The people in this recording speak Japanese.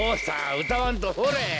うたわんとほれ。